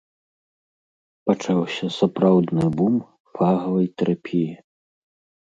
Пачаўся сапраўдны бум фагавай тэрапіі.